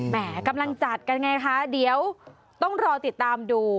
กำลังจัดกันไงคะเดี๋ยวต้องรอติดตามดู